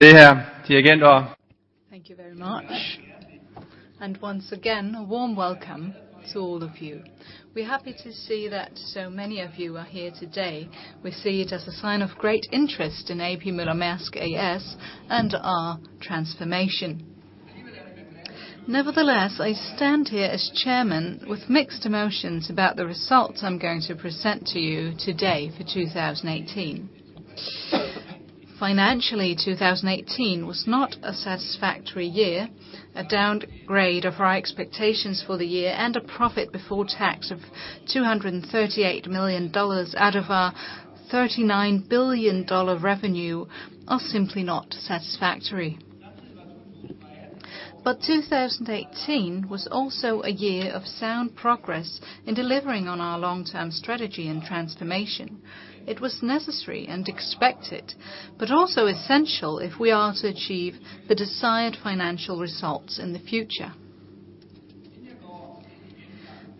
Thank you very much. Once again, a warm welcome to all of you. We are happy to see that so many of you are here today. We see it as a sign of great interest in A.P. Møller-Mærsk A/S and our transformation. Nevertheless, I stand here as chairman with mixed emotions about the results I am going to present to you today for 2018. Financially, 2018 was not a satisfactory year. A downgrade of our expectations for the year and a profit before tax of $238 million out of our $39 billion revenue are simply not satisfactory. But 2018 was also a year of sound progress in delivering on our long-term strategy and transformation. It was necessary and expected, but also essential if we are to achieve the desired financial results in the future.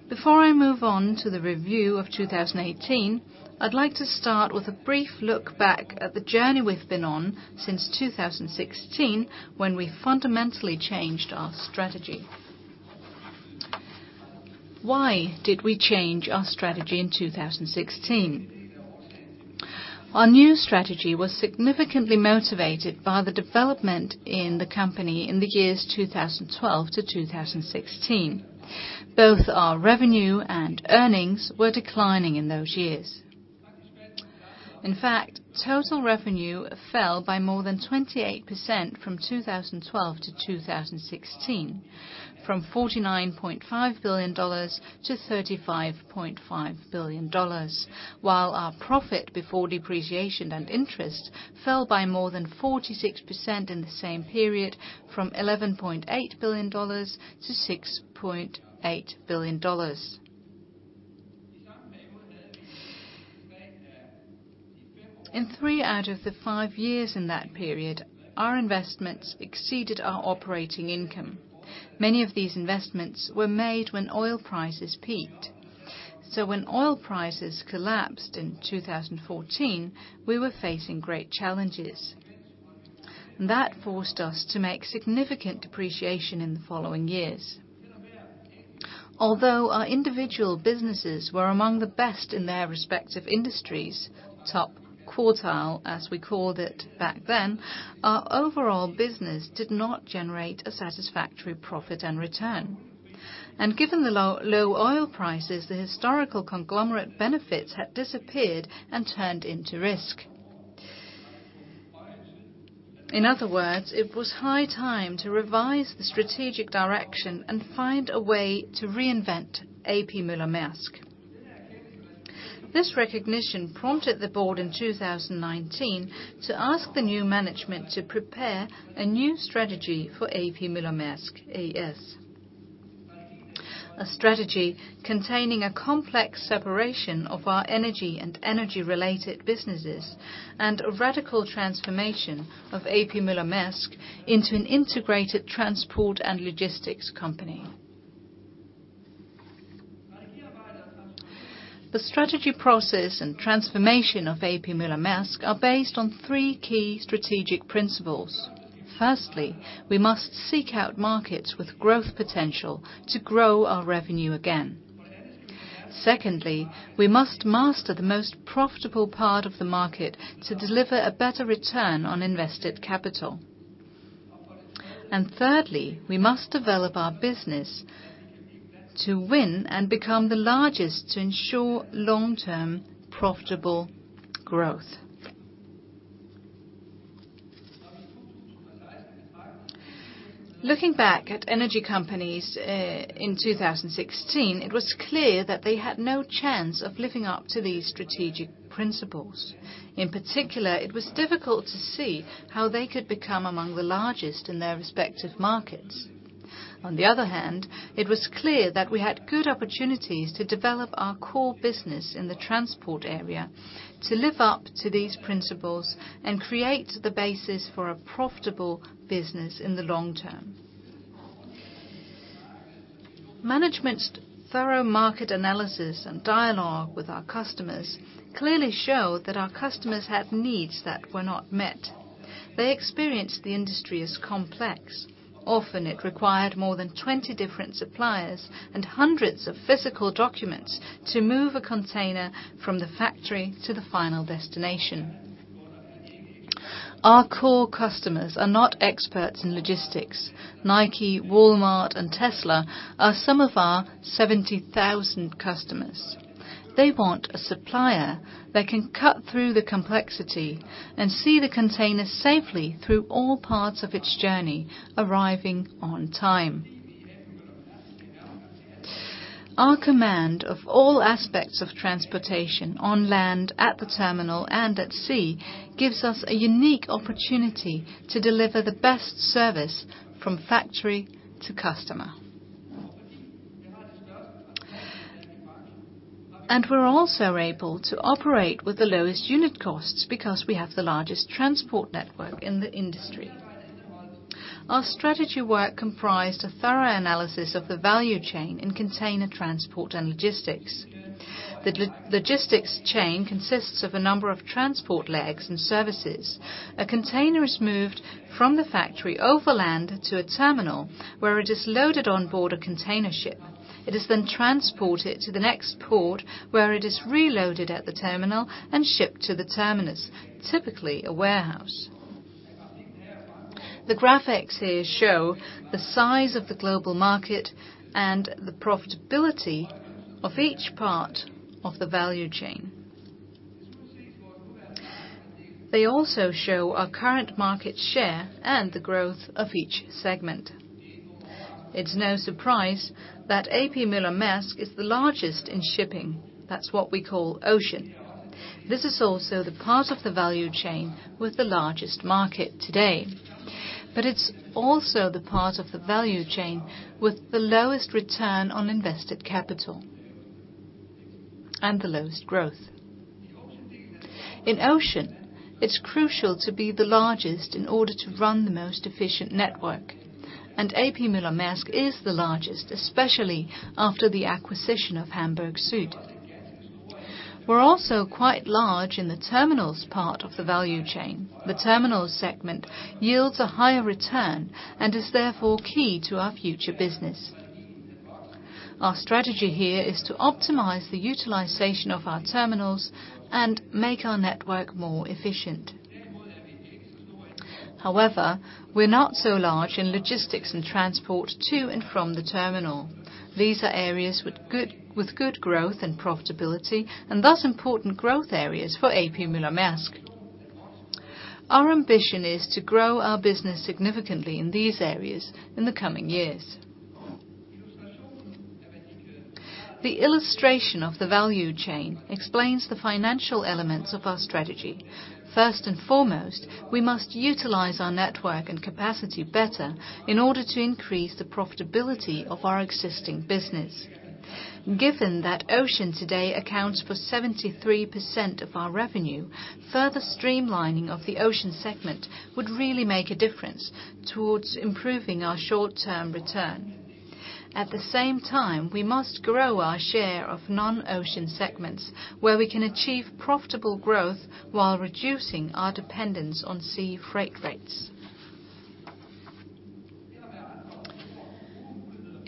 Before I move on to the review of 2018, I would like to start with a brief look back at the journey we have been on since 2016, when we fundamentally changed our strategy. Why did we change our strategy in 2016? Our new strategy was significantly motivated by the development in the company in the years 2012 to 2016. Both our revenue and earnings were declining in those years. In fact, total revenue fell by more than 28% from 2012 to 2016, from $49.5 billion to $35.5 billion, while our profit before depreciation and interest fell by more than 46% in the same period from $11.8 billion to $6.8 billion. In three out of the five years in that period, our investments exceeded our operating income. Many of these investments were made when oil prices peaked. When oil prices collapsed in 2014, we were facing great challenges. That forced us to make significant depreciation in the following years. Although our individual businesses were among the best in their respective industries, top quartile, as we called it back then, our overall business did not generate a satisfactory profit and return. Given the low oil prices, the historical conglomerate benefits had disappeared and turned into risk. In other words, it was high time to revise the strategic direction and find a way to reinvent A.P. Møller-Mærsk. This recognition prompted the board in 2019 to ask the new management to prepare a new strategy for A.P. Møller-Mærsk A/S, a strategy containing a complex separation of our energy and energy-related businesses and a radical transformation of A.P. Møller-Mærsk into an integrated transport and logistics company. The strategy process and transformation of A.P. Møller-Mærsk are based on three key strategic principles. Firstly, we must seek out markets with growth potential to grow our revenue again. Secondly, we must master the most profitable part of the market to deliver a better return on invested capital. Thirdly, we must develop our business to win and become the largest to ensure long-term profitable growth. Looking back at energy companies in 2016, it was clear that they had no chance of living up to these strategic principles. In particular, it was difficult to see how they could become among the largest in their respective markets. On the other hand, it was clear that we had good opportunities to develop our core business in the transport area to live up to these principles and create the basis for a profitable business in the long term. Management's thorough market analysis and dialogue with our customers clearly show that our customers had needs that were not met. They experienced the industry as complex. Often, it required more than 20 different suppliers and hundreds of physical documents to move a container from the factory to the final destination. Our core customers are not experts in logistics. Nike, Walmart, and Tesla are some of our 70,000 customers. They want a supplier that can cut through the complexity and see the container safely through all parts of its journey, arriving on time. Our command of all aspects of transportation on land, at the terminal, and at sea gives us a unique opportunity to deliver the best service from factory to customer. We're also able to operate with the lowest unit costs because we have the largest transport network in the industry. Our strategy work comprised a thorough analysis of the value chain in container transport and logistics. The logistics chain consists of a number of transport legs and services. A container is moved from the factory overland to a terminal, where it is loaded on board a container ship. It is then transported to the next port, where it is reloaded at the terminal and shipped to the terminus, typically a warehouse. The graphics here show the size of the global market and the profitability of each part of the value chain. They also show our current market share and the growth of each segment. It's no surprise that A.P. Møller-Mærsk is the largest in shipping. That's what we call Ocean. This is also the part of the value chain with the largest market today, but it's also the part of the value chain with the lowest return on invested capital and the lowest growth. In Ocean, it's crucial to be the largest in order to run the most efficient network, and A.P. Møller-Mærsk is the largest, especially after the acquisition of Hamburg Süd. We're also quite large in the terminals part of the value chain. The terminal segment yields a higher return and is therefore key to our future business. Our strategy here is to optimize the utilization of our terminals and make our network more efficient. However, we're not so large in logistics and transport to and from the terminal. These are areas with good growth and profitability, and thus important growth areas for A.P. Møller-Mærsk. Our ambition is to grow our business significantly in these areas in the coming years. The illustration of the value chain explains the financial elements of our strategy. First and foremost, we must utilize our network and capacity better in order to increase the profitability of our existing business. Given that Ocean today accounts for 73% of our revenue, further streamlining of the Ocean segment would really make a difference towards improving our short-term return. At the same time, we must grow our share of non-ocean segments, where we can achieve profitable growth while reducing our dependence on sea freight rates.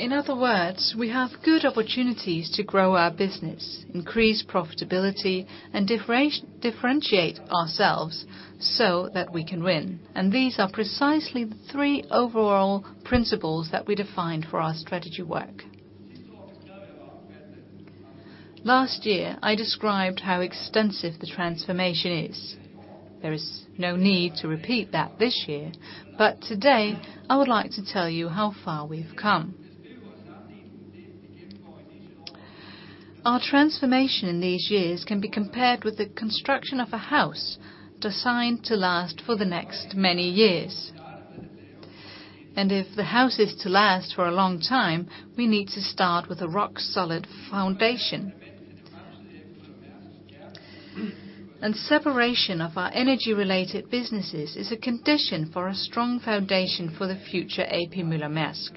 In other words, we have good opportunities to grow our business, increase profitability, and differentiate ourselves so that we can win. These are precisely the three overall principles that we defined for our strategy work. Last year, I described how extensive the transformation is. There is no need to repeat that this year, but today, I would like to tell you how far we've come. Our transformation in these years can be compared with the construction of a house designed to last for the next many years. If the house is to last for a long time, we need to start with a rock-solid foundation. Separation of our energy-related businesses is a condition for a strong foundation for the future A.P. Møller-Mærsk.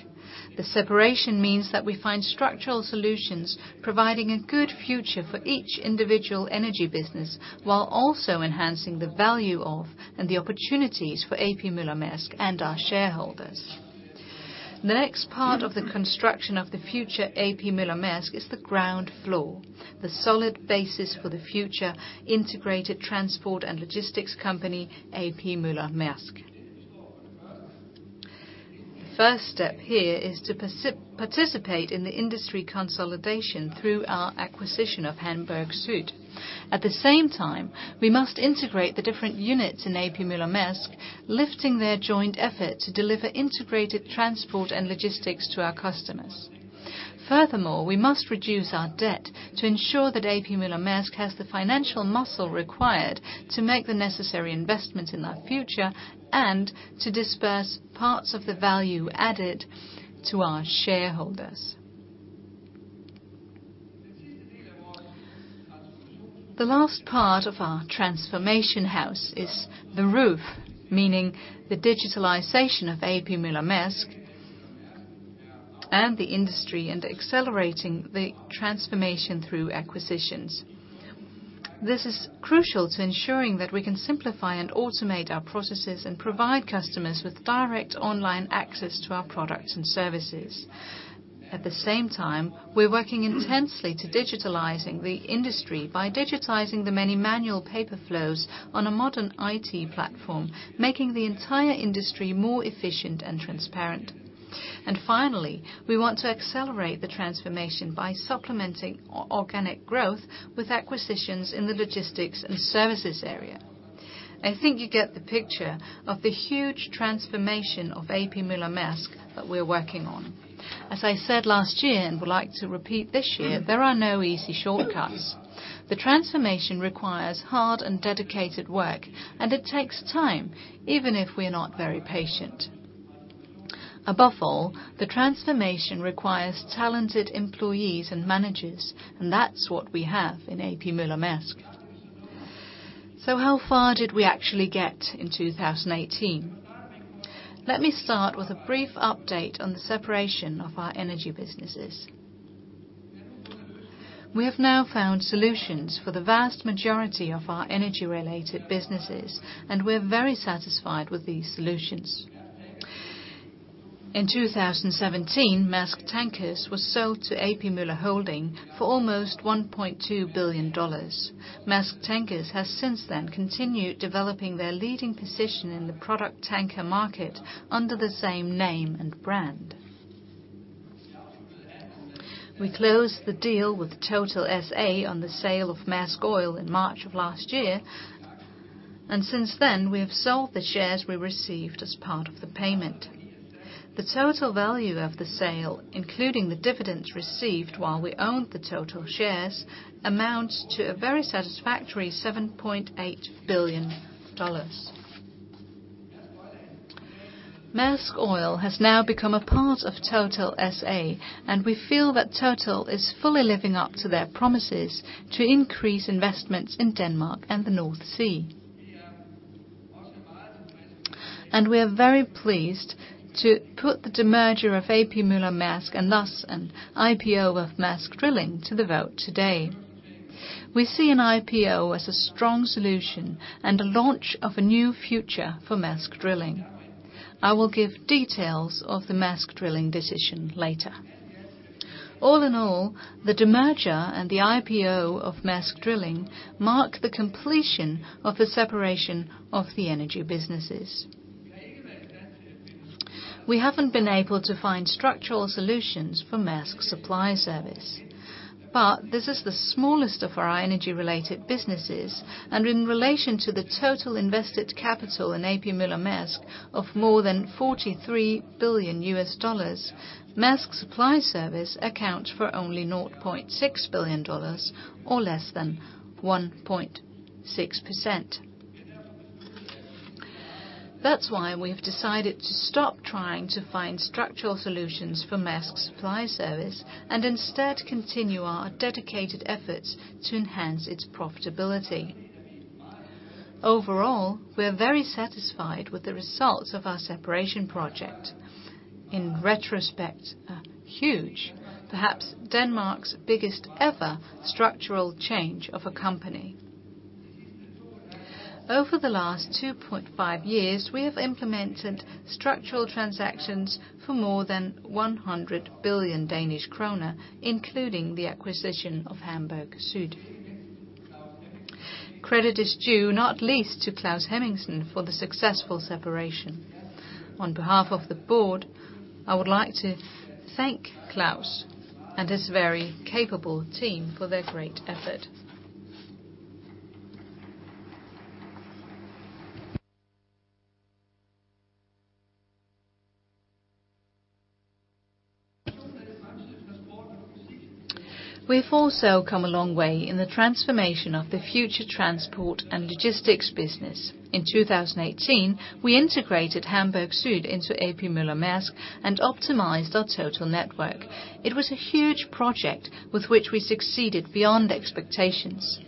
The separation means that we find structural solutions providing a good future for each individual energy business, while also enhancing the value of and the opportunities for A.P. Møller-Mærsk and our shareholders. The next part of the construction of the future A.P. Møller-Mærsk is the ground floor, the solid basis for the future integrated transport and logistics company, A.P. Møller-Mærsk. The first step here is to participate in the industry consolidation through our acquisition of Hamburg Süd. At the same time, we must integrate the different units in A.P. Møller-Mærsk, lifting their joint effort to deliver integrated transport and logistics to our customers. Furthermore, we must reduce our debt to ensure that A.P. Møller-Mærsk has the financial muscle required to make the necessary investments in our future and to disperse parts of the value added to our shareholders. The last part of our transformation house is the roof, meaning the digitalization of A.P. Møller-Mærsk and the industry, and accelerating the transformation through acquisitions. This is crucial to ensuring that we can simplify and automate our processes and provide customers with direct online access to our products and services. At the same time, we're working intensely to digitalizing the industry by digitizing the many manual paper flows on a modern IT platform, making the entire industry more efficient and transparent. Finally, we want to accelerate the transformation by supplementing organic growth with acquisitions in the logistics and services area. I think you get the picture of the huge transformation of A.P. Møller-Mærsk that we're working on. As I said last year, and would like to repeat this year, there are no easy shortcuts. The transformation requires hard and dedicated work, and it takes time, even if we're not very patient. Above all, the transformation requires talented employees and managers, and that's what we have in A.P. Møller-Mærsk. so how far did we actually get in 2018? Let me start with a brief update on the separation of our energy businesses. We have now found solutions for the vast majority of our energy-related businesses, and we're very satisfied with these solutions. In 2017, Maersk Tankers was sold to A.P. Moller Holding for almost $1.2 billion. Maersk Tankers has since then continued developing their leading position in the product tanker market under the same name and brand. We closed the deal with Total S.A. on the sale of Maersk Oil in March of last year, and since then, we have sold the shares we received as part of the payment. The total value of the sale, including the dividends received while we owned the Total shares, amounts to a very satisfactory $7.8 billion. Maersk Oil has now become a part of Total S.A., and we feel that Total is fully living up to their promises to increase investments in Denmark and the North Sea. We are very pleased to put the demerger of A.P. Møller-Mærsk, and thus an IPO of Maersk Drilling to the vote today. We see an IPO as a strong solution and a launch of a new future for Maersk Drilling. I will give details of the Maersk Drilling decision later. All in all, the demerger and the IPO of Maersk Drilling mark the completion of the separation of the energy businesses. We haven't been able to find structural solutions for Maersk Supply Service, but this is the smallest of our energy-related businesses, and in relation to the total invested capital in A.P. Møller-Mærsk of more than $43 billion, Maersk Supply Service accounts for only $0.6 billion or less than 1.6%. That's why we've decided to stop trying to find structural solutions for Maersk Supply Service and instead continue our dedicated efforts to enhance its profitability. Overall, we are very satisfied with the results of our separation project. In retrospect, a huge, perhaps Denmark's biggest ever structural change of a company. Over the last 2.5 years, we have implemented structural transactions for more than 100 billion Danish kroner, including the acquisition of Hamburg Süd. Credit is due not least to Claus Hemmingsen for the successful separation. On behalf of the board, I would like to thank Claus and his very capable team for their great effort. We've also come a long way in the transformation of the future transport and logistics business. In 2018, we integrated Hamburg Süd into A.P. Møller-Mærsk and optimized our total network. It was a huge project with which we succeeded beyond expectations.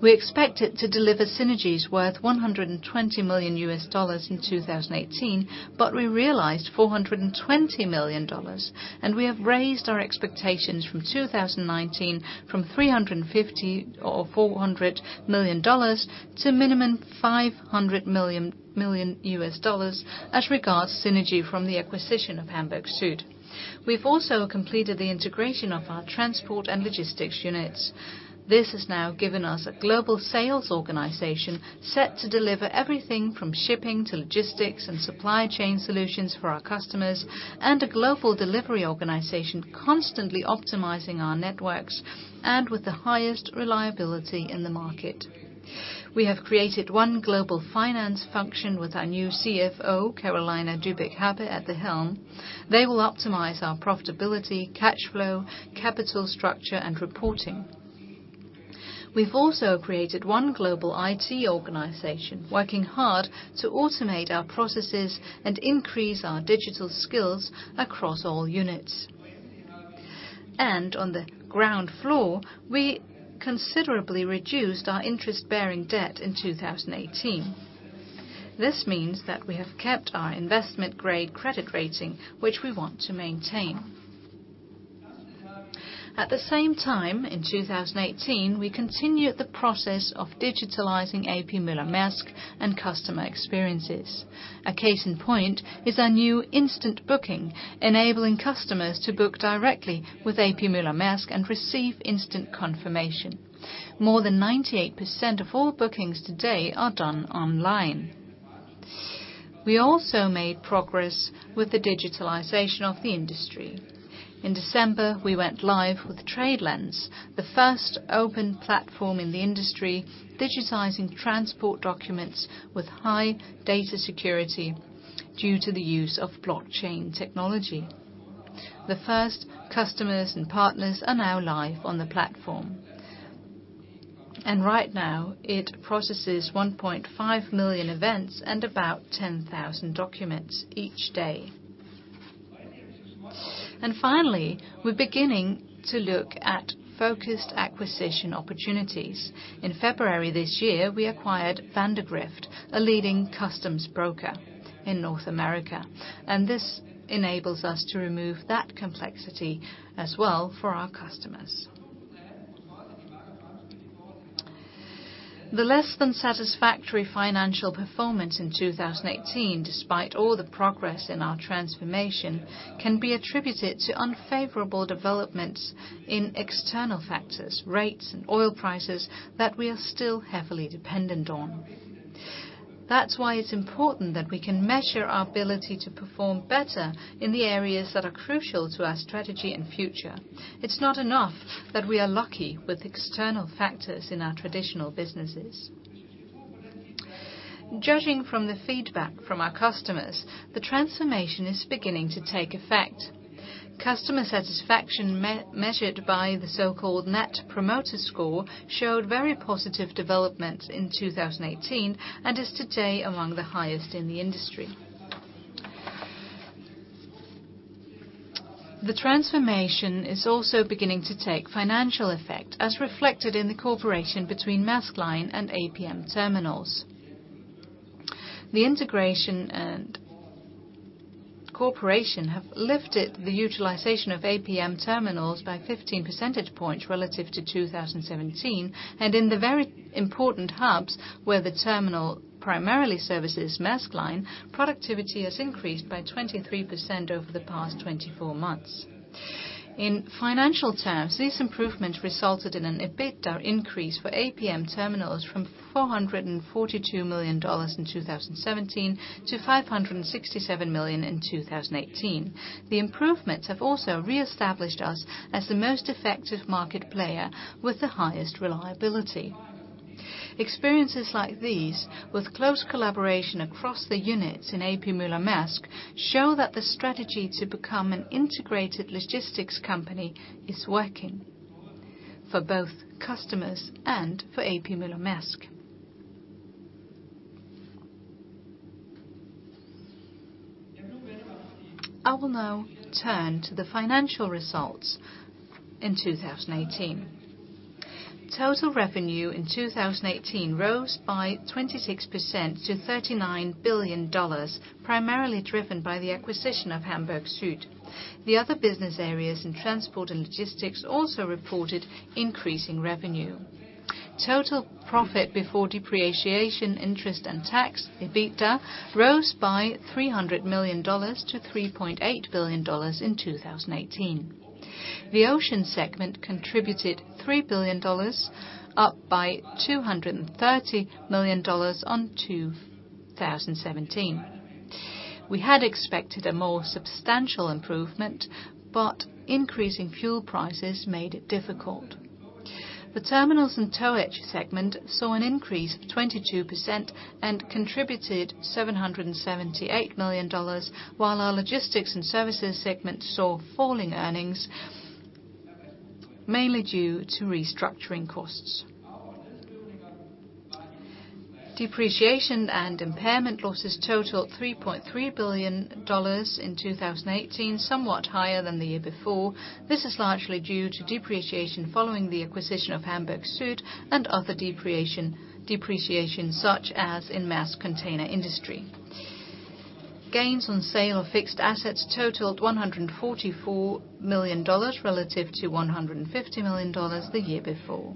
We expected to deliver synergies worth $120 million in 2018, but we realized $420 million, and we have raised our expectations from 2019 from $350 or $400 million to minimum $500 million as regards synergy from the acquisition of Hamburg Süd. We've also completed the integration of our transport and logistics units. This has now given us a global sales organization set to deliver everything from shipping to logistics and supply chain solutions for our customers, and a global delivery organization constantly optimizing our networks and with the highest reliability in the market. We have created one global finance function with our new CFO, Carolina Dybeck Happe, at the helm. They will optimize our profitability, cash flow, capital structure, and reporting. We've also created one global IT organization, working hard to automate our processes and increase our digital skills across all units. On the ground floor, we considerably reduced our interest-bearing debt in 2018. This means that we have kept our investment-grade credit rating, which we want to maintain. At the same time, in 2018, we continued the process of digitalizing A.P. Møller-Mærsk and customer experiences. A case in point is our new instant booking, enabling customers to book directly with A.P. Møller-Mærsk and receive instant confirmation. More than 98% of all bookings today are done online. We also made progress with the digitalization of the industry. In December, we went live with TradeLens, the first open platform in the industry, digitizing transport documents with high data security due to the use of blockchain technology. The first customers and partners are now live on the platform. Right now, it processes 1.5 million events and about 10,000 documents each day. Finally, we're beginning to look at focused acquisition opportunities. In February this year, we acquired Vandegrift, a leading customs broker in North America, and this enables us to remove that complexity as well for our customers. The less than satisfactory financial performance in 2018, despite all the progress in our transformation, can be attributed to unfavorable developments in external factors, rates, and oil prices that we are still heavily dependent on. That's why it's important that we can measure our ability to perform better in the areas that are crucial to our strategy and future. It's not enough that we are lucky with external factors in our traditional businesses. Judging from the feedback from our customers, the transformation is beginning to take effect. Customer satisfaction, measured by the so-called net promoter score, showed very positive development in 2018 and is today among the highest in the industry. The transformation is also beginning to take financial effect, as reflected in the cooperation between Maersk Line and APM Terminals. The integration and cooperation have lifted the utilization of APM Terminals by 15 percentage points relative to 2017, and in the very important hubs where the terminal primarily services Maersk Line, productivity has increased by 23% over the past 24 months. In financial terms, this improvement resulted in an EBITDA increase for APM Terminals from $442 million in 2017 to $567 million in 2018. The improvements have also reestablished us as the most effective market player with the highest reliability. Experiences like these, with close collaboration across the units in A.P. Møller-Mærsk, show that the strategy to become an integrated logistics company is working for both customers and for A.P. Møller-Mærsk. I will now turn to the financial results in 2018. Total revenue in 2018 rose by 26% to $39 billion, primarily driven by the acquisition of Hamburg Süd. The other business areas in transport and logistics also reported increasing revenue. Total profit before depreciation, interest, and tax, EBITDA, rose by $300 million to $3.8 billion in 2018. The Ocean segment contributed $3 billion, up by $230 million on 2017. We had expected a more substantial improvement, but increasing fuel prices made it difficult. The terminals and towage segment saw an increase of 22% and contributed $778 million, while our logistics and services segment saw falling earnings, mainly due to restructuring costs. Depreciation and impairment losses totaled $3.3 billion in 2018, somewhat higher than the year before. This is largely due to depreciation following the acquisition of Hamburg Süd and other depreciation, such as in Maersk Container Industry. Gains on sale of fixed assets totaled $144 million relative to $150 million the year before,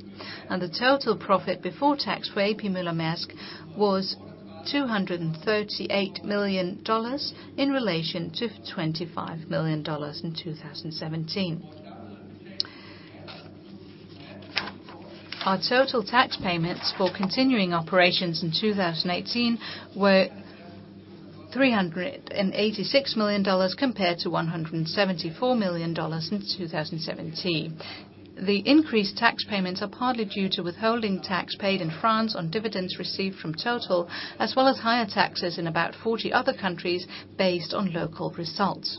and the total profit before tax for A.P. Møller-Mærsk was $238 million in relation to $25 million in 2017. Our total tax payments for continuing operations in 2018 were $386 million compared to $174 million in 2017. The increased tax payments are partly due to withholding tax paid in France on dividends received from Total, as well as higher taxes in about 40 other countries based on local results.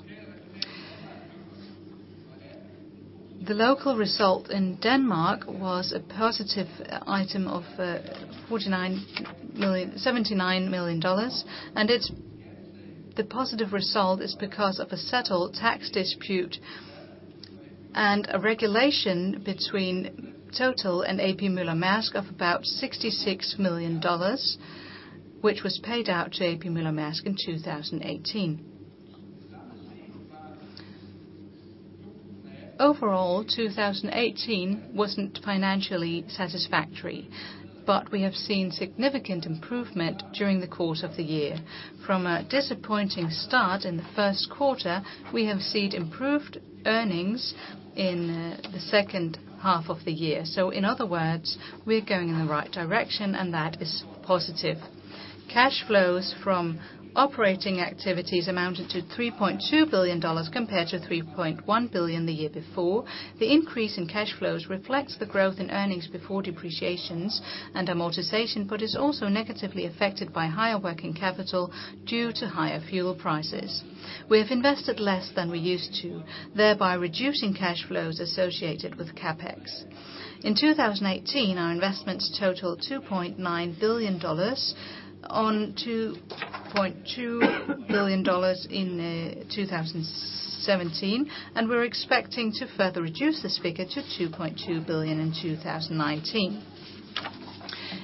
The local result in Denmark was a positive item of $79 million, and the positive result is because of a settled tax dispute and a regulation between Total and A.P. Møller-Mærsk of about $66 million, which was paid out to A.P. Møller-Mærsk in 2018. Overall, 2018 wasn't financially satisfactory, but we have seen significant improvement during the course of the year. From a disappointing start in the first quarter, we have seen improved earnings in the second half of the year. In other words, we're going in the right direction, and that is positive. Cash flows from operating activities amounted to $3.2 billion compared to $3.1 billion the year before. The increase in cash flows reflects the growth in earnings before depreciation and amortization, but is also negatively affected by higher working capital due to higher fuel prices. We have invested less than we used to, thereby reducing cash flows associated with CapEx. In 2018, our investments totaled $2.9 billion on $2.2 billion in 2017, and we're expecting to further reduce this figure to $2.2 billion in 2019.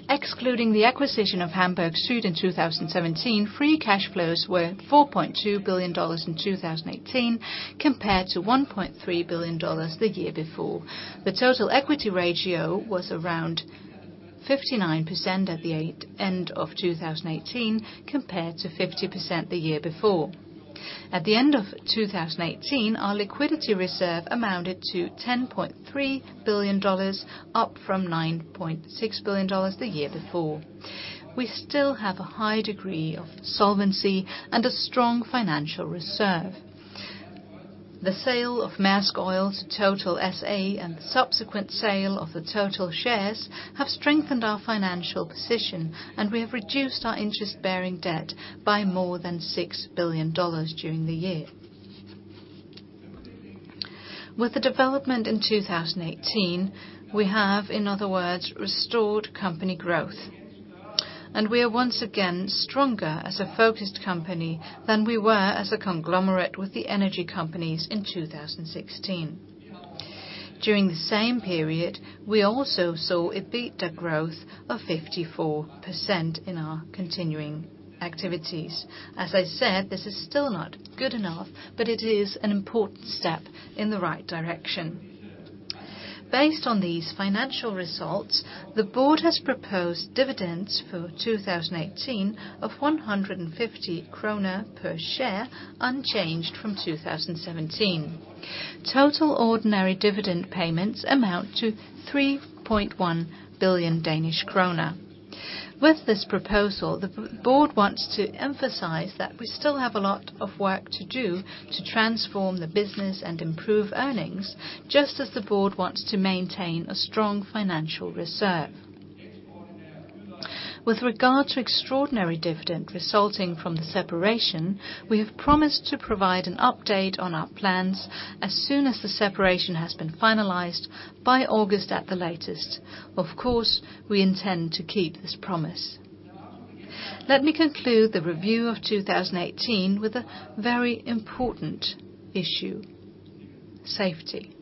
Excluding the acquisition of Hamburg Süd in 2017, free cash flows were $4.2 billion in 2018 compared to $1.3 billion the year before. The total equity ratio was around 59% at the end of 2018 compared to 50% the year before. At the end of 2018, our liquidity reserve amounted to $10.3 billion, up from $9.6 billion the year before. We still have a high degree of solvency and a strong financial reserve. The sale of Maersk Oil to Total S.A. and the subsequent sale of the Total shares have strengthened our financial position, and we have reduced our interest-bearing debt by more than $6 billion during the year. With the development in 2018, we have, in other words, restored company growth, and we are once again stronger as a focused company than we were as a conglomerate with the energy companies in 2016. During the same period, we also saw EBITDA growth of 54% in our continuing activities. As I said, this is still not good enough, it is an important step in the right direction. Based on these financial results, the board has proposed dividends for 2018 of 150 kroner per share, unchanged from 2017. Total ordinary dividend payments amount to 3.1 billion Danish krone. With this proposal, the board wants to emphasize that we still have a lot of work to do to transform the business and improve earnings, just as the board wants to maintain a strong financial reserve. With regard to extraordinary dividend resulting from the separation, we have promised to provide an update on our plans as soon as the separation has been finalized by August at the latest. Of course, we intend to keep this promise. Let me conclude the review of 2018 with a very important issue, safety.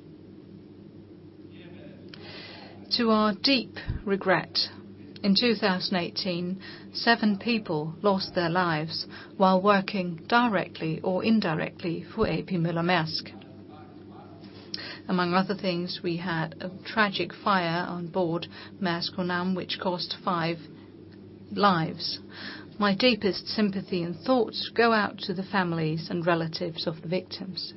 To our deep regret, in 2018, seven people lost their lives while working directly or indirectly for A.P. Møller-Mærsk. Among other things, we had a tragic fire on board Maersk Honam which cost five lives. My deepest sympathy and thoughts go out to the families and relatives of the victims.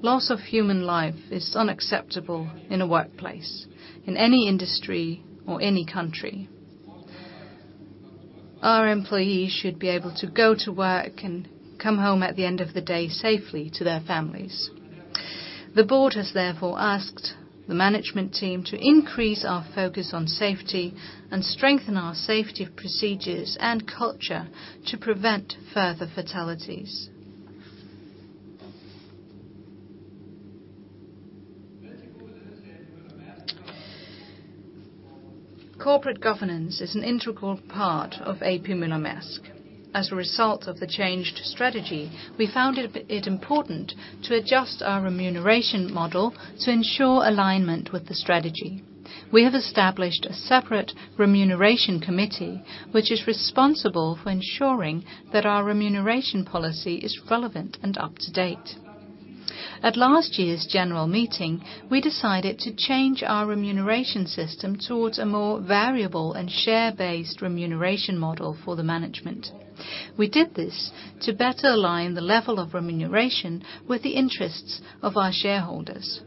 Loss of human life is unacceptable in a workplace, in any industry or any country. Our employees should be able to go to work and come home at the end of the day safely to their families. The board has therefore asked the management team to increase our focus on safety and strengthen our safety procedures and culture to prevent further fatalities. Corporate governance is an integral part of A.P. Møller-Mærsk. As a result of the changed strategy, we found it important to adjust our remuneration model to ensure alignment with the strategy. We have established a separate Remuneration Committee, which is responsible for ensuring that our remuneration policy is relevant and up to date. At last year's general meeting, we decided to change our remuneration system towards a more variable and share-based remuneration model for the management. We did this to better align the level of remuneration with the interests of our shareholders.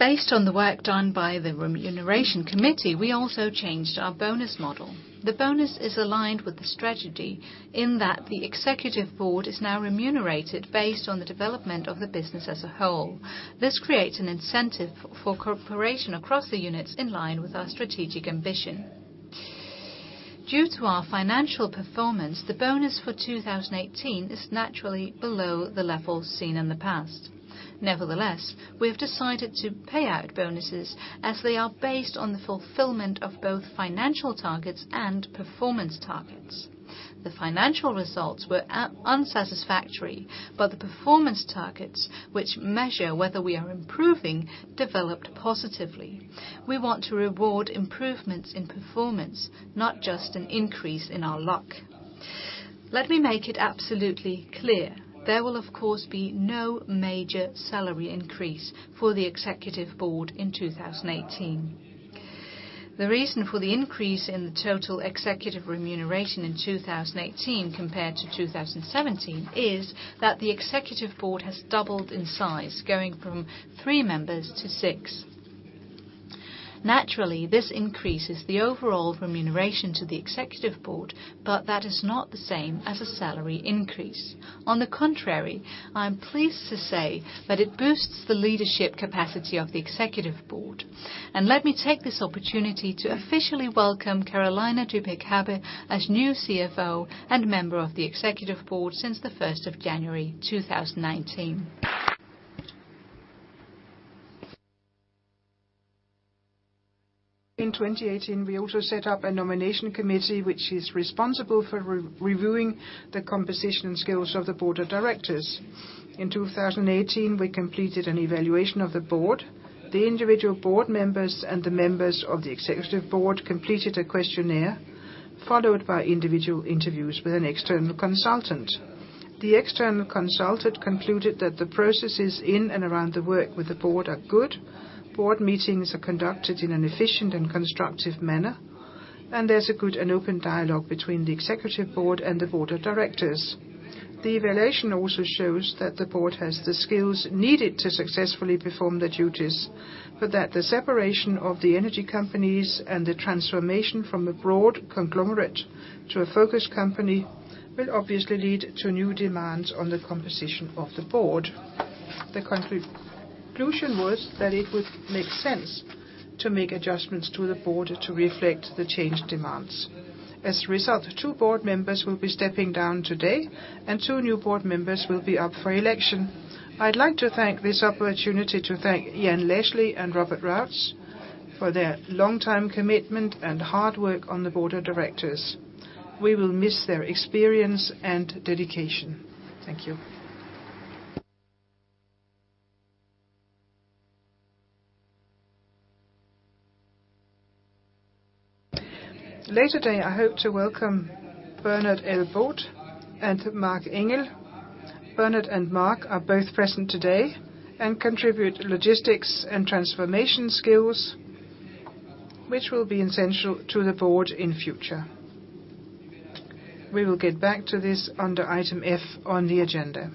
Based on the work done by the Remuneration Committee, we also changed our bonus model. The bonus is aligned with the strategy in that the Executive Board is now remunerated based on the development of the business as a whole. This creates an incentive for cooperation across the units in line with our strategic ambition. Due to our financial performance, the bonus for 2018 is naturally below the levels seen in the past. We have decided to pay out bonuses as they are based on the fulfillment of both financial targets and performance targets. The financial results were unsatisfactory, but the performance targets, which measure whether we are improving, developed positively. We want to reward improvements in performance, not just an increase in our luck. Let me make it absolutely clear. There will, of course, be no major salary increase for the Executive Board in 2018. The reason for the increase in the total executive remuneration in 2018 compared to 2017 is that the Executive Board has doubled in size, going from three members to six. Naturally, this increases the overall remuneration to the Executive Board, but that is not the same as a salary increase. Let me take this opportunity to officially welcome Carolina Dybeck Happe as new CFO and member of the Executive Board since the 1st of January, 2019. In 2018, we also set up a Nomination Committee, which is responsible for reviewing the composition and skills of the Board of Directors. In 2018, we completed an evaluation of the board. The individual board members and the members of the Executive Board completed a questionnaire, followed by individual interviews with an external consultant. The external consultant concluded that the processes in and around the work with the board are good. Board meetings are conducted in an efficient and constructive manner, and there's a good and open dialogue between the Executive Board and the Board of Directors. The evaluation also shows that the board has the skills needed to successfully perform their duties, but that the separation of the energy companies and the transformation from a broad conglomerate to a focused company will obviously lead to new demands on the composition of the board. The conclusion was that it would make sense to make adjustments to the board to reflect the changed demands. As a result, two board members will be stepping down today, and two new board members will be up for election. I'd like to take this opportunity to thank Jan Leschly and Robert Routs for their longtime commitment and hard work on the Board of Directors. We will miss their experience and dedication. Thank you. Later today, I hope to welcome Bernard Bot and Marc Engel. Bernard and Marc are both present today and contribute logistics and transformation skills, which will be essential to the board in future. We will get back to this under item F on the agenda.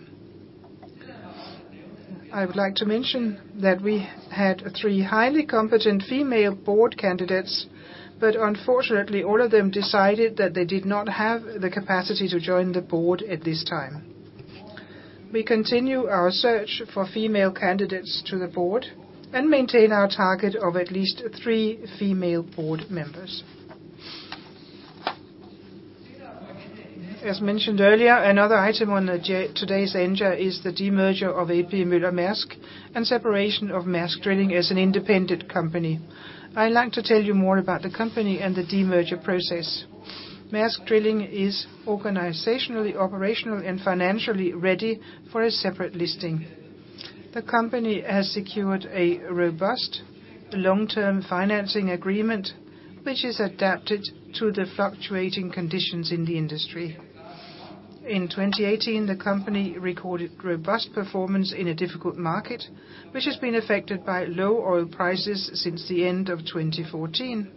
I would like to mention that we had three highly competent female board candidates, but unfortunately, all of them decided that they did not have the capacity to join the board at this time. We continue our search for female candidates to the board and maintain our target of at least three female board members. As mentioned earlier, another item on today's agenda is the demerger of A.P. Møller-Mærsk and separation of Maersk Drilling as an independent company. I'd like to tell you more about the company and the demerger process. Maersk Drilling is organizationally, operational, and financially ready for a separate listing. The company has secured a robust long-term financing agreement, which is adapted to the fluctuating conditions in the industry. In 2018, the company recorded robust performance in a difficult market, which has been affected by low oil prices since the end of 2014,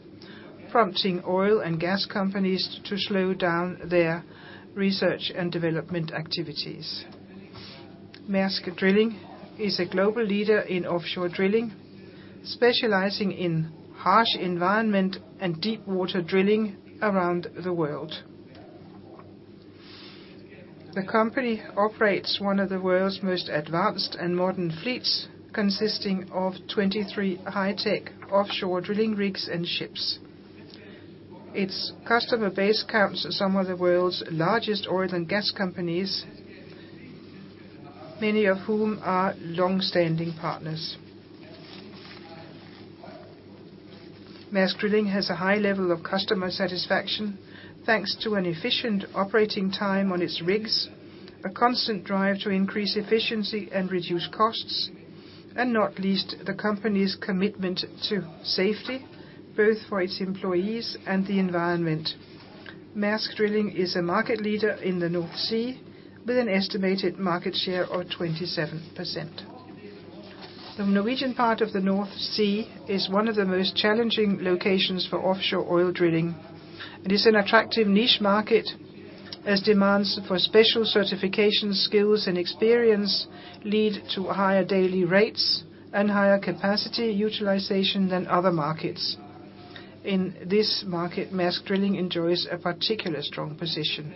prompting oil and gas companies to slow down their research and development activities. Maersk Drilling is a global leader in offshore drilling, specializing in harsh environment and deepwater drilling around the world. The company operates one of the world's most advanced and modern fleets, consisting of 23 high-tech offshore drilling rigs and ships. Its customer base counts some of the world's largest oil and gas companies, many of whom are longstanding partners. Maersk Drilling has a high level of customer satisfaction, thanks to an efficient operating time on its rigs, a constant drive to increase efficiency and reduce costs, and not least, the company's commitment to safety, both for its employees and the environment. Maersk Drilling is a market leader in the North Sea with an estimated market share of 27%. The Norwegian part of the North Sea is one of the most challenging locations for offshore oil drilling. It is an attractive niche market, as demands for special certification skills and experience lead to higher daily rates and higher capacity utilization than other markets. In this market, Maersk Drilling enjoys a particularly strong position.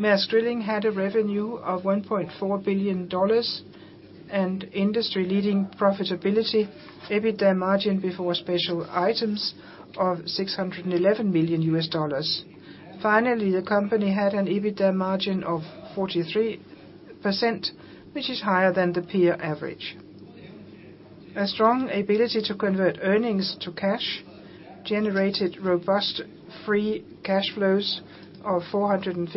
Maersk Drilling had a revenue of $1.4 billion, and industry-leading profitability, EBITDA margin before special items of $611 million. The company had an EBITDA margin of 43%, which is higher than the peer average. A strong ability to convert earnings to cash generated robust free cash flows of $457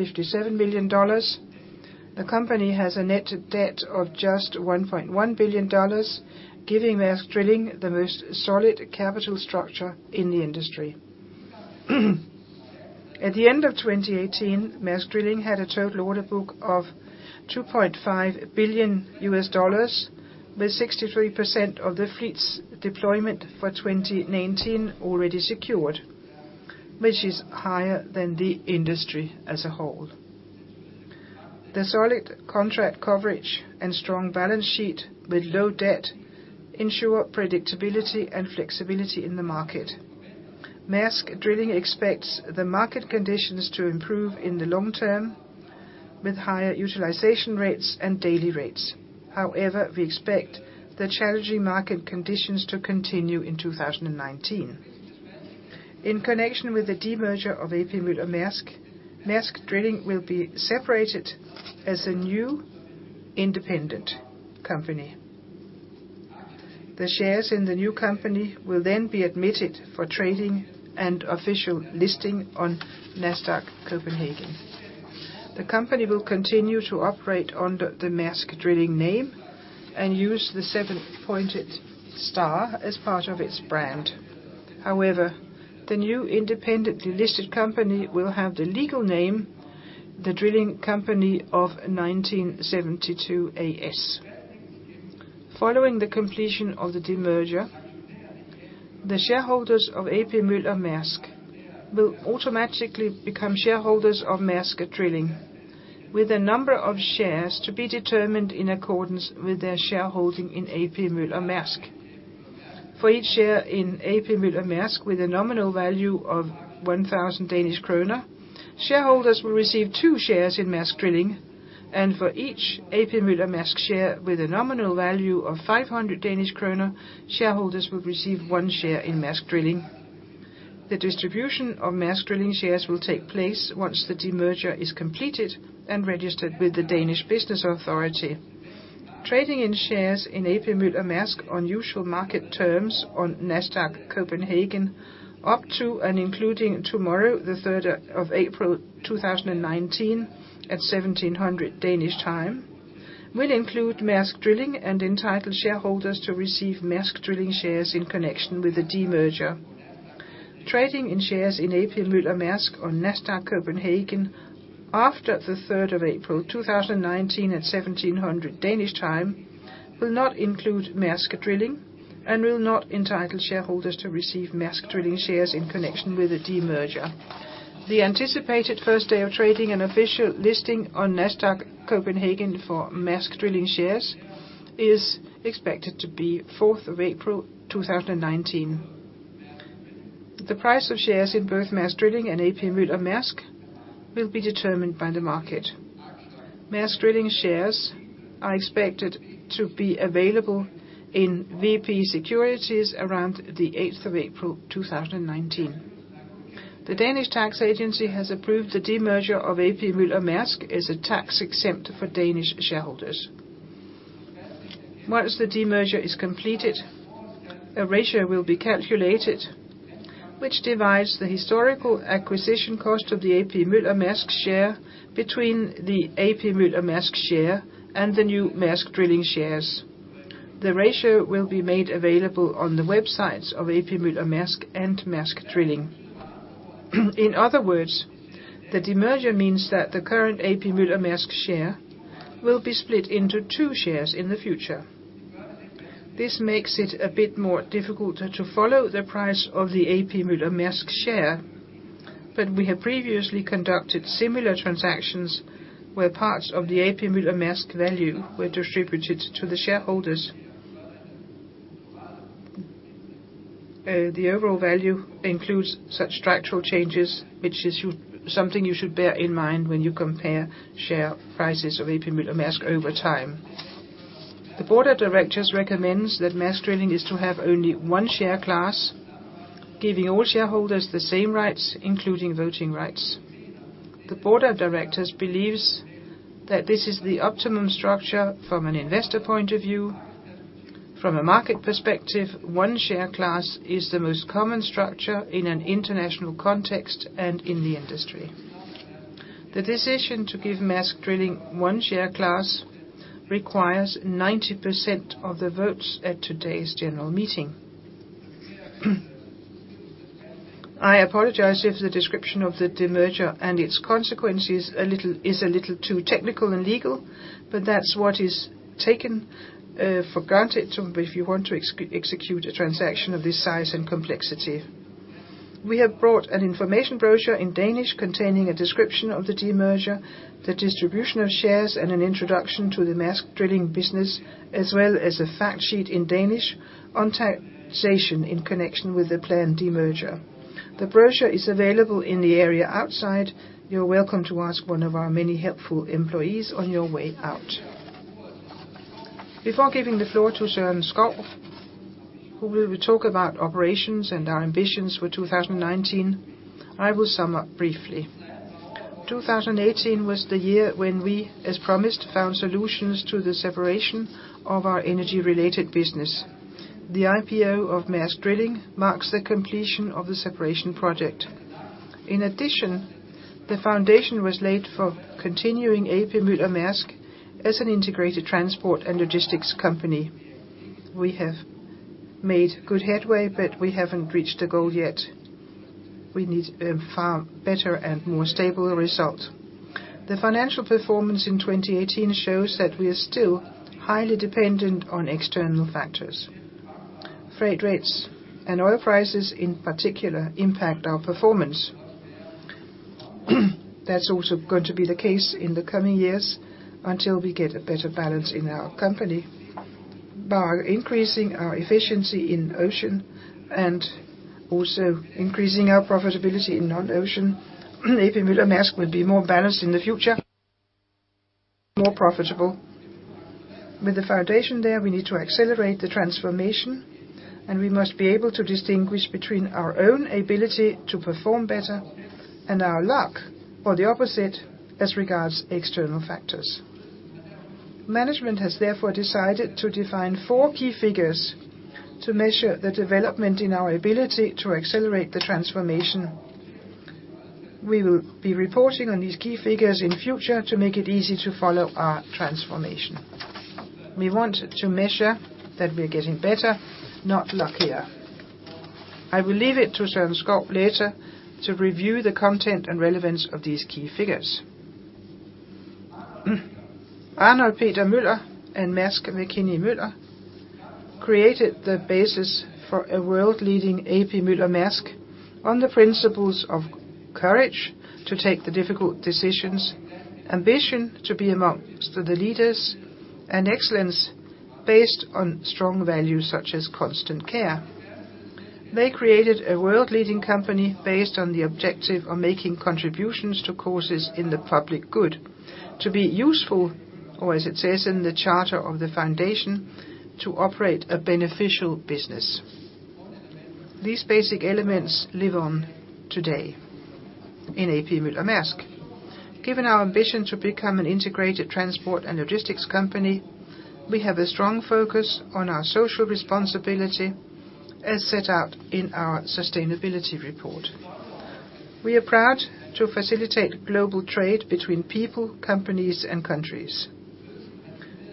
million. The company has a net debt of just $1.1 billion, giving Maersk Drilling the most solid capital structure in the industry. At the end of 2018, Maersk Drilling had a total order book of $2.5 billion, with 63% of the fleet's deployment for 2019 already secured, which is higher than the industry as a whole. The solid contract coverage and strong balance sheet with low debt ensure predictability and flexibility in the market. Maersk Drilling expects the market conditions to improve in the long term with higher utilization rates and daily rates. We expect the challenging market conditions to continue in 2019. In connection with the demerger of A.P. Møller-Maersk, Maersk Drilling will be separated as a new independent company. The shares in the new company will be admitted for trading and official listing on Nasdaq Copenhagen. The company will continue to operate under the Maersk Drilling name and use the seven-pointed star as part of its brand. However, the new independently listed company will have the legal name, The Drilling Company of 1972 A/S. Following the completion of the demerger, the shareholders of A.P. Møller-Maersk will automatically become shareholders of Maersk Drilling with a number of shares to be determined in accordance with their shareholding in A.P. Møller-Maersk. For each share in A.P. Møller-Maersk with a nominal value of 1,000 Danish kroner, shareholders will receive two shares in Maersk Drilling, and for each A.P. Møller-Maersk share with a nominal value of 500 Danish kroner, shareholders will receive one share in Maersk Drilling. The distribution of Maersk Drilling shares will take place once the demerger is completed and registered with the Danish Business Authority. Trading in shares in A.P. Møller-Maersk on usual market terms on Nasdaq Copenhagen up to and including tomorrow, the 3rd of April 2019 at 5:00 P.M. Danish time, will include Maersk Drilling and entitle shareholders to receive Maersk Drilling shares in connection with the demerger. Trading in shares in A.P. Møller-Maersk on Nasdaq Copenhagen after the 3rd of April 2019 at 5:00 P.M. Danish time, will not include Maersk Drilling and will not entitle shareholders to receive Maersk Drilling shares in connection with the demerger. The anticipated first day of trading and official listing on Nasdaq Copenhagen for Maersk Drilling shares is expected to be 4th of April 2019. The price of shares in both Maersk Drilling and A.P. Møller-Maersk will be determined by the market. Maersk Drilling shares are expected to be available in VP Securities around the 8th of April 2019. The Danish Tax Agency has approved the demerger of A.P. Møller-Maersk as a tax-exempt for Danish shareholders. Once the demerger is completed, a ratio will be calculated which divides the historical acquisition cost of the A.P. Møller-Maersk share between the A.P. Møller-Maersk share and the new Maersk Drilling shares. The ratio will be made available on the websites of A.P. Møller-Maersk and Maersk Drilling. In other words, the demerger means that the current A.P. Møller-Maersk share will be split into two shares in the future. This makes it a bit more difficult to follow the price of the A.P. Møller-Maersk share, but we have previously conducted similar transactions where parts of the A.P. Møller-Maersk value were distributed to the shareholders. The overall value includes such structural changes, which is something you should bear in mind when you compare share prices of A.P. Møller-Maersk over time. The board of directors recommends that Maersk Drilling is to have only one share class, giving all shareholders the same rights, including voting rights. The board of directors believes that this is the optimum structure from an investor point of view. From a market perspective, one share class is the most common structure in an international context and in the industry. The decision to give Maersk Drilling one share class requires 90% of the votes at today's general meeting. I apologize if the description of the demerger and its consequences is a little too technical and legal, but that's what is taken for granted if you want to execute a transaction of this size and complexity. We have brought an information brochure in Danish containing a description of the demerger, the distribution of shares, and an introduction to the Maersk Drilling, as well as a fact sheet in Danish on taxation in connection with the planned demerger. The brochure is available in the area outside. You're welcome to ask one of our many helpful employees on your way out. Before giving the floor to Søren Skou, who will talk about operations and our ambitions for 2019, I will sum up briefly. 2018 was the year when we, as promised, found solutions to the separation of our energy-related business. The IPO of Maersk Drilling marks the completion of the separation project. In addition, the foundation was laid for continuing A.P. Møller-Maersk as an integrated transport and logistics company. We have made good headway, but we haven't reached the goal yet. We need a far better and more stable result. The financial performance in 2018 shows that we are still highly dependent on external factors. Freight rates and oil prices in particular impact our performance. That's also going to be the case in the coming years until we get a better balance in our company. By increasing our efficiency in Ocean and also increasing our profitability in non-Ocean, A.P. Møller-Mærsk will be more balanced in the future, more profitable. With the foundation there, we need to accelerate the transformation, and we must be able to distinguish between our own ability to perform better and our luck, or the opposite, as regards external factors. Management has therefore decided to define four key figures to measure the development in our ability to accelerate the transformation. We will be reporting on these key figures in future to make it easy to follow our transformation. We want to measure that we're getting better, not luckier. I will leave it to Søren Skou later to review the content and relevance of these key figures. Arnold Peter Møller and Mærsk Mc-Kinney Møller created the basis for a world-leading A.P. Møller-Mærsk on the principles of courage to take the difficult decisions, ambition to be amongst the leaders, and excellence based on strong values such as constant care. They created a world-leading company based on the objective of making contributions to causes in the public good, to be useful, or as it says in the charter of the foundation, to operate a beneficial business. These basic elements live on today in A.P. Møller-Mærsk. Given our ambition to become an integrated transport and logistics company, we have a strong focus on our social responsibility as set out in our sustainability report. We are proud to facilitate global trade between people, companies, and countries.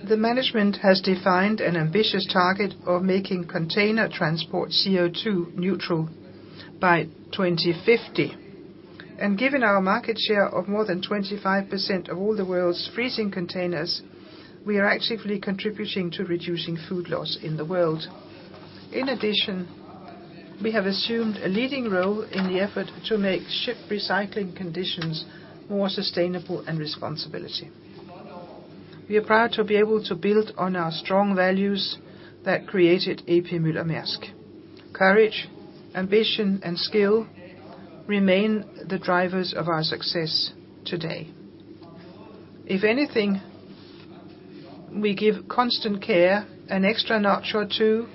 The management has defined an ambitious target of making container transport CO2 neutral by 2050. And given our market share of more than 25% of all the world's freezing containers, we are actively contributing to reducing food loss in the world. In addition, we have assumed a leading role in the effort to make ship recycling conditions more sustainable and responsibility. We are proud to be able to build on our strong values that created A.P. Møller-Mærsk. Courage, ambition, and skill remain the drivers of our success today. If anything, we give constant care an extra notch or two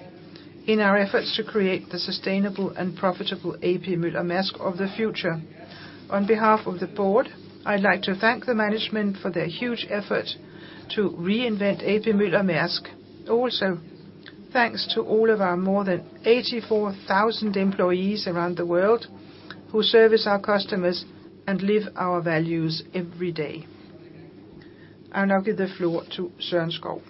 in our efforts to create the sustainable and profitable A.P. Møller-Mærsk of the future. On behalf of the board, I'd like to thank the management for their huge effort to reinvent A.P. Møller-Mærsk. Thanks to all of our more than 84,000 employees around the world who service our customers and live our values every day. I will now give the floor to Søren Skou.